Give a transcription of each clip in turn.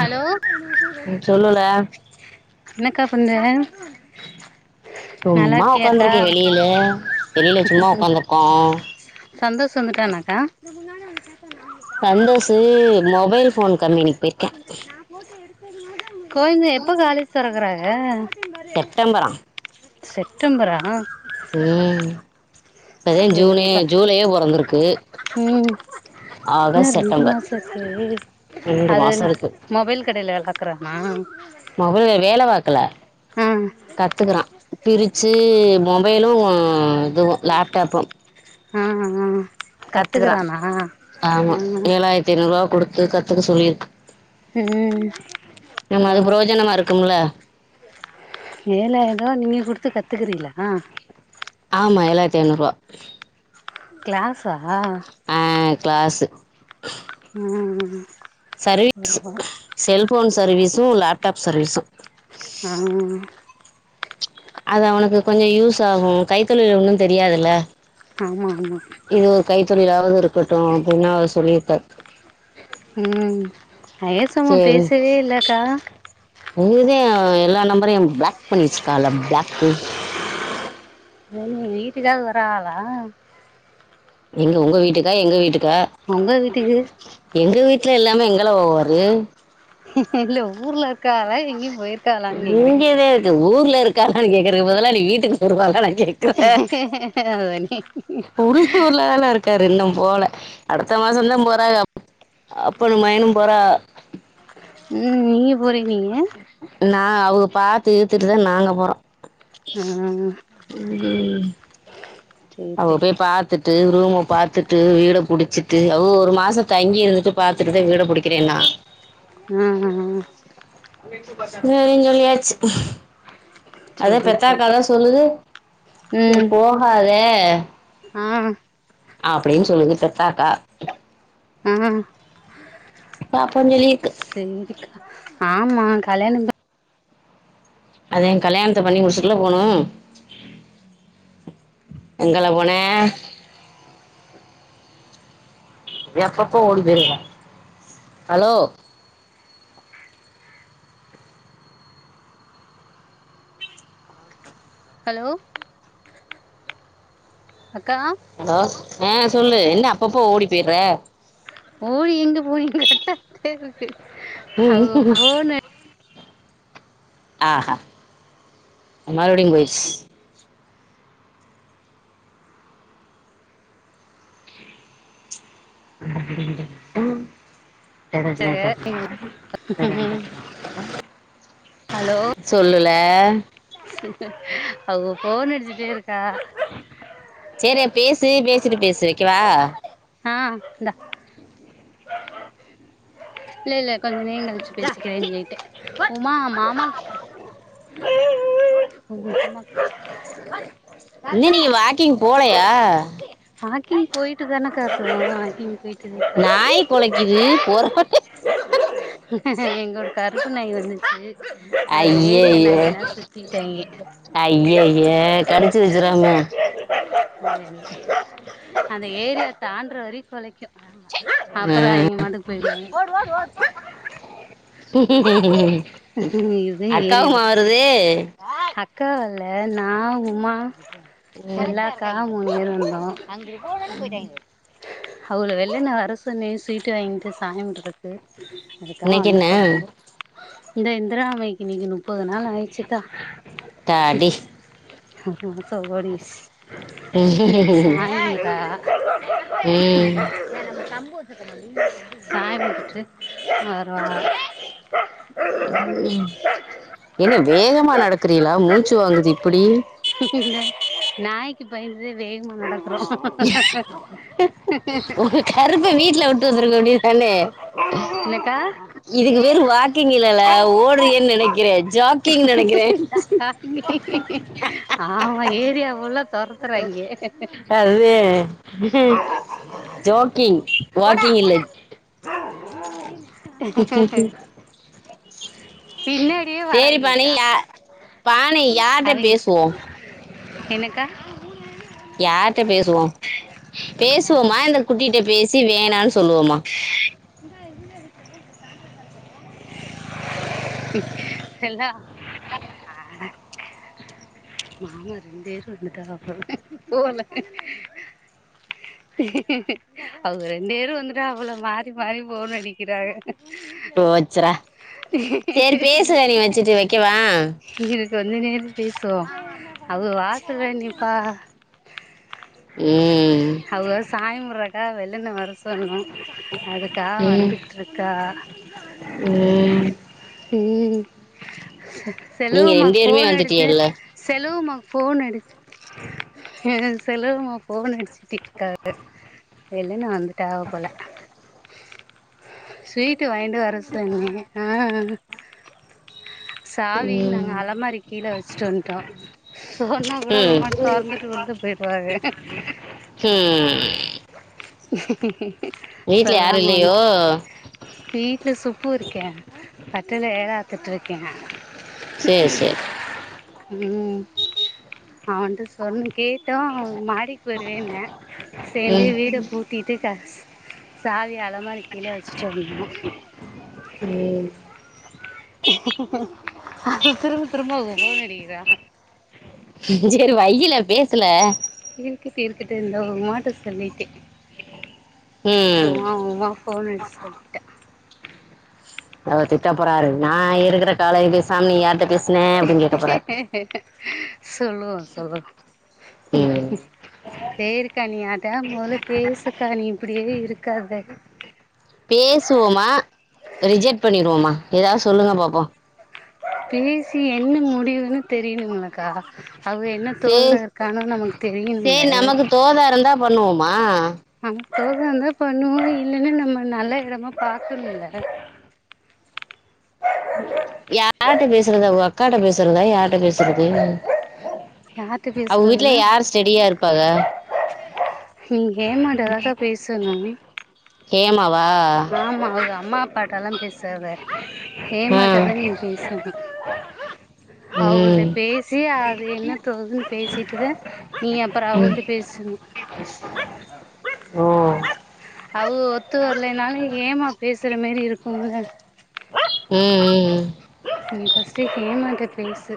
hello ம் சொல்லுல என்னக்கா பண்றே சும்மா உக்காந்துருக்கே வெளியில வெளியில சும்மா உக்காந்துருக்கோ சந்தோஷ் வந்துட்டானாக்கா [unintelligible] சந்தோஷ்சு மொபைல் ஃபோன் கம்பெனிக் போயிருக்கா கோயிந்து எப்போ காலேஜ் தொறக்கறாக செப்டம்பரா செட்டம்பரா ம் இப்பதா ஜூனே சேரிப்பா ஜூலையே பொறந்துருக்கு ம் இன்னு ஆகஸ்ட் ரெண்டு செட்டம்பர் மாச இருக்கு ரெண்டு அது மாசருக்கு மொபைல் கடைல வேல் பாக்கறானா மொபைல் கல வேல பாக்கல கத்துக்குறா பிரிச்சு மொபைலு இதுவு லேப்டாப்பு ஆ ஆ கத்துக்குறா கத்துக்குறானா ஆ ஆமா ஏழாயிரத்தி ஐநூறு ரூபா குடுத்து கத்துக்க சொல்லியிருக் ம் நம்ம அது புரோஜனமா இருக்குல ஏழாயிருவா நீங்க குடுத்து கத்துக்குறீங்களா ஆமா ஏழாயிரத்தி ஐநூறுவா க்ளாஸா அ க்ளாசு ம்ம் ஒருபா செல்போன் சர்வீஸு லேப்டாப் சர்வீஸும் ம் அத அவனுக்கு கொஞ்ச யூஸ் ஆகோ கைத்தொழில் ஒன்னு தெரியாது இல்ல ஆமா ஆமா இது ஒரு கைத்தொழிலாவது இருக்கட்டோ அப்டினா அவர் சொல்லியிருக்கார் ம்ம் பேசுவோ பேசவே இல்லக்கா நீதா எல்லா நம்பரையும் பிளாக் பண்ணி வெச்சிருக்கால பிளாக்கு உங்க வீட்டுக்காவது வராலா எங்க உங்க வீட்டுக்கா எங்க வீட்டுக்கா உங்க வீட்டுக்கு எங்க வீட்ல இல்லாமே எங்கள போவாரு ம்ம் இல்ல ஊர்ல இருக்காரா எங்கியும் போயி இங்கேதா இருக்கு ஊர்ல இருக்காரான்னு கேக்குறது பதலா நீ வீட்டுக்கு போவதா நா இகே [unintelligible] உள்ளூர்லதான இருக்காரு இன்னு போல அடுத்த மாச தா போறாங்க அப்பனும் மகனு போறா ம் நீயே போரேனிங்க நான அவங்க பாத்து இருத்துட்டுதானே நாங்க போறோம் ம் அங்க போய் பார் பத்துட்டு ரூமா பாத்துட்டு வீட புடிச்சிட்டு ஓ ஒரு மாச தங்கி இருந்துட்டு பாத்துட்டுதா வீட புடிக்கிறே நா ம் ம் செரினு சொல்லியாச்சி அத சேரி சேரி பெத்தக்கத சொல்லு நீ ம் போகாத ஆ அப்டின்னு சொல்லுது பெருசா இருக்கா அ பாப்போ சொல்லி இருக்கு செரிக்கா ஆமா கல்யாணோ ப அத கல்யாணத்த பண்ணி முடிச்சுட்ல போணும் எங்கள போன எப்பப்போ ஓடி போயிருவ ஹலோ ஹலோ அக்கா ஹலோ ஆ சொல்லு என்ன அப்பப்போ ஓடி போயிற ஓடி எங்க போனீங்க கெட்டா இருக்கு அவ ம் போணு ஆஹா மறுபடியு போயிருச்சு அ [unintelligible] ஹலோ சொல்லுல அவக ஃபோன் அடிச்சுட்டே இருக்காக செரி அப் பேசு பேசிட்டு பேசு வெக்கவா ஆ இல்லல்ல கொஞ்ச நே கழிச்சு பேசிக்கிற இவிங்ககிட்ட உ இன்னி நீங்க வாக்கிங் போலையா வாக்கிங் போயிட்டு தானக்கா இருக்குறோ வாக்கிங் போயிட்டு நாய் குலைக்குது போற இங்க ஒரு கருப்பு நாய் வந்துச்சு அத ஏரிய ஐயய்ய நாய்களா சுத் த்திடாய்ங்க ஐயய்ய கடிச்சு வச்சிராம அந்த ஏரியா தாண்ட்ற வரிக் கொலைக்கு ஆ அப்பறொ எங்க மாட்டுக்கு போயிருவோ அக்காவுமா வருது அக்கா வல்லே நா ஒங் உம்மா எல்லாக்கா முணு பேரு வந்தோ அவ்கள வெள்ளன்ன வர சொன்னே ஸ்வீட்டு வாங்கிட்டு சாயம்ருக்கு இன்னைக்கு என்ன இந்த இந்திராமைக்கு இன்னிக்கி முப்பது நாள் ஆயிச்சு தடி ச ஓடிஸ் ன்னைக் சாயங்கா ம் ம்ப சாயம்போத்துட்டு வருவாஹ என்ன வேகமா நடக்கறீலா மூச்சு வாங்குது இப்பிடி ன்ன நாய்க்கு பயந்துதே வேகமா நடக்கறோ ஒங்க கருப்ப வீட்ல விட்டு வந்துருக்க வேண்டிய தானே என்னக்கா இதுக்கு பேரு வாக்கிங் இல்லல்ல ஓடுறிகன் நெனைக்கிறே ஜாக்கிங் நெனைக்கிறே ஆமா ஏரியா ஃபுல்லா தொரத்துறாய்ங்க அது ஜோக்கிங் வாக்கிங் இல்லை ஆ பின்னாடியே வராய்ங்கக்கா பானை யார்ட்ட அவிங் பேசுவோ என்னக்கா யார்ட்ட பேசுவோ பேசுவோமா இந்த குட்டிட்ட பேசி வேணான்ன சொல்வோமா எல்லா அஹ ஆ மாமா ரெண்ட்வேரு வன்டாக போல அவுக ரெண்டேரும் வந்துட்டாக போல மாறி மாறி ஃபோனு நடிக்கிறாக போச்சுறா செரி பேசுற நீ வெச்சிட்டு வெக்கவா இத சொல்லினே பேசுவோ அவுக வாசல்லே நிப்பாஹ ம் அவுக சாமி கும்பர்க்காக வெள்ளன்ன வர சொ பண்ணுனோ அதுக்காக ம் வந்துட்ருக்காக ம் ஏ நீங்க செலுவுமா ரெண்டு பேருமே ஃபோன் அடிச்சு வந்துட்டீங்கல்ல செலுவுமாக்கு ஃபோன் அடுச்சு அ செலுவுமா ஃபோன் அடிச்சுட்டே இருக்காரு வெல்லன வந்துட்டாக போல ஸ்வீட்டு வாங்கிட்டு வர சொன்னே ஆ சாவியு நாங்க அலமாரிக் கீழ வச்ட்டு வன்ட்டோ சொன்னா கூட அவுக ம் பாட்டுக் தொரந்துட்டு உள்ள போய்ருவாக போ வீட்டில் யாரும் சொல்லாம வன் இல்லையோ வீட்ல சுப்பு இருக்கே பட்ரைல வேல பாத்துட்ருக்கே நானு சேரி சேரி ம் ம் அவன்ட்ட சொன் கே விட்டோ அவன் மாடிக்கு போய்ருவேன்ன சேர்ந்தே ம் வீட பூட்டிட்டு கக்ஸ் சாவிய அலமாரிக் கீழ வச்சுட்டு வந்தோ அது திரும்ப திரும்ப போர் அடிக்கிதா செரி வையில பேசுல இருக்கட்டு இருக்கட்டு இந்த ஓ மாட்ட சொல்லிட்டே [unintelligible] ம் ஃபோன் அடிச்சி சொல்லிட்டே அவர் திட்ட போறாரு நா இருக்கிற காலைய பேசாம நீ யார்ட்ட பேசினே அப்டினு கேக்க போறாரு கேக்கே சொல்லுவோ சொல்லுவோ ம் பேரு கனியா த மொதல்ல பேசுக்கா நீ இப்டியே இருக்காத பேசுவோமா ரிஜெக்ட் பண்ணிருவோமா ஏதாவ்து சொல்லுங்க பாப்போ பேசி என்ன முடிவுனு தெரினுங்ல க்கா அவங்க என்ன சேரி தோதுல இருக்காகனு நமக்கு தெரியணுல தோதாருந்தா பண்ணுவோமா அங்க தோதாருந்தா பண்ணுவோ இல்லனா நம்ம நல்ல எடமா பாக்கணுல யார்ட்ட பேசுறது அவுக அக்காட்ட பேசறதா யார்ட்ட பேசுறது யார்கிட்ட அவுக வீட்ல பேசுறதுன்னா யார் ஸ்டெடியா இருப்பாக நீ ஹேமாட்டதாக்கா பேசணு ஹேமாவா ஆமா அவுக தா அம்மா அப்பாட்டலா பேசாத ஆ ஹேமாட்டதா நீ பேசணு அவுகள்ட்ட ம் ம் பேசி அது என்ன தோதுனு பேசிட்டுதா நீ அப்றோ அவுள்ட்ட பேசு ஓ அவுக ஒத்து வரலைன் னாலு ஹேமா பேசுற மாரி இருக்குங்க அ அ நீ ஃபஸ்ட்டு ஹேமாட்ட பேசு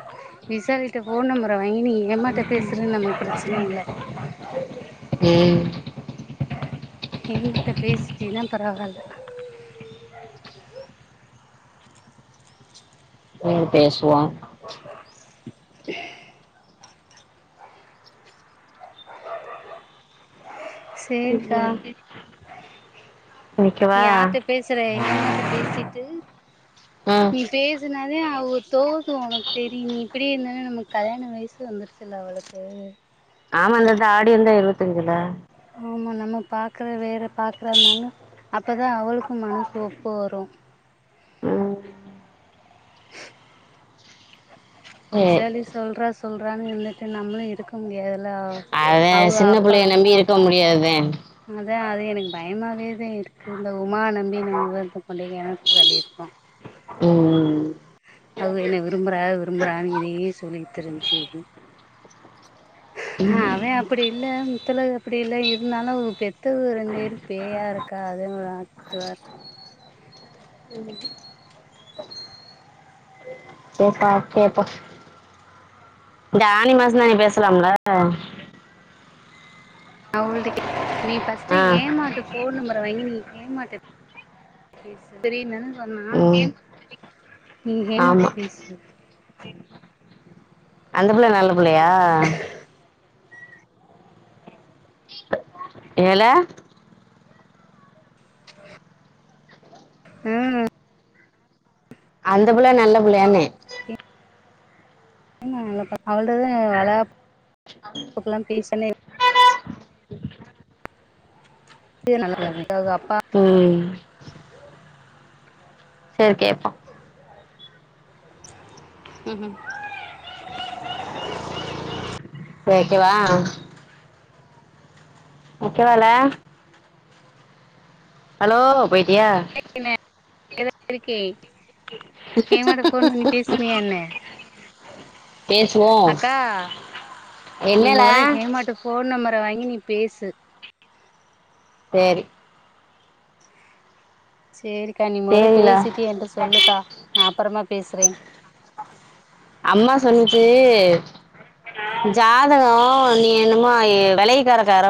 விசாலிட்ட ஃபோன் நம்பர வாங்கி நீ ஹேமாட்ட பேசுறேனு நம்மக்கு பிரச்சன இல்ல டேய் ஹேமாட்ட பேசிட்டீனா பரவால்ல ம் பேசுவோ சேரிக்கா நீ நிக்கவா யார்ட்ட பேசி வச்சிரே [unintelligible] பேசிட்டு ம் நீ பேசினாதே அவுக தோது ஒனக்கு தெரியு நீ இப்பிடியே இருந்தேனா நமக்கு கல்யாண வயசு வந்துருச்சுல அவளுக்கு ஆமா இந்த தா ஆடி வந்தா இருவத்தஞ்சுல ஆமா நம்ம பாக்குற வேற பாக்குறனாலு அப்பதா அவளுக்கு மனசு ஒப்பு வரு ம் சரி விசாலி சொல்றா சொல்றான்னு இருந்துட்டு நம்மளு இருக்க முடியாதுல அதா சின்ன பிள்ளைய நம்பி இருக்க முடியாதுதா அதா அது எனக்கு பயமாவேதா இருக்கு இந்த உமாவ நம் மீன [unintelligible] கொண்டு போய் கிணத்தில தள்ளியிருப்போ ம் ம் அவுக என்ன விரும்புறா விரும்புறாக இதையே சொல்லிகிட் திரிஞ்சு இது ஹ அவன் அப்படி இல்ல முத்தழகு அப்படி இல்ல இருந்தாலு அவுக பெத் த்தவுக ரெண்டு பேர் பேயா இருக்கா அது ஒரு ஆத்துவா இரு ம் கேட்டா கேப்போ இந்த ஆனி மாச தானே பேசலாம்ல அவுங்ககிட்ட நீ ஃபர்ஸ்ட்டு ஆ ஹேமாட்ட ஃபோன் நம்பர வாங்கி நீ ஹேமாட்ட பேசு ம் நீ ஹேமாட்ட ஆமா பேசு அந்த பிள்ள நல்ல பிள்ளையா ஏல ம் அந்த பிள்ள நல்ல பிள்ளையான்னே ஹேமா நல்ல பிள்ள அவள்டதான வளகாப்புக்குல்லா பேசனே நல்ல பிள்ளதா அவுக அப்பா ம் சேர் கேட்போ ம் ஹும் சேர் வைக்கவா வைக்கவால ஹலோ போய்ட்டியா [unintelligible] இருக்கே ஹேமாட்ட ஃபோன் பண்ணி பேசனியா என்ன பேசுவோ அக்கா நீ என்னல மொதல்ல ஹேமாட்ட ஃபோன் நம்பர வாங்கி நீ பேசு சேரி சேரிக்கா நீ முத சரில பேசிட்டு என்ட்ட சொல்லுக்கா நா அப்பறமா பேசுறே அண்ணா சொன்னுச்சு ஜாதகோ நீ என்னமோ விலைக்காரக்கார